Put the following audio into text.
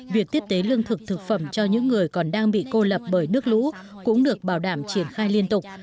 việc tiếp tế lương thực thực phẩm cho những người còn đang bị cô lập bởi nước lũ cũng được bảo đảm triển khai liên tục